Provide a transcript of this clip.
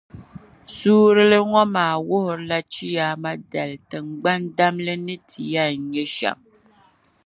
Suurili ŋɔ maa wuhirila Chiyaama dali tiŋgbani damli ni yɛn ti nyɛ shɛm.